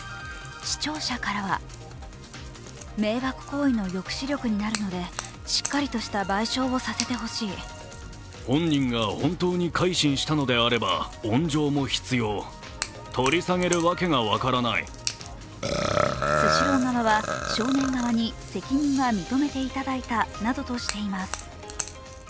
視聴者からはスシロー側は少年側に責任は認めていただいたなどとしています。